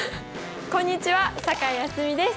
こんにちは酒井蒼澄です。